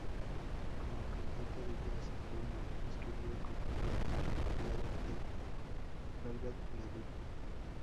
Como cantante de jazz, Menard escribió y compuso el musical titulado "The Velvet Devil".